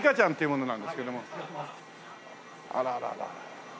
あららら。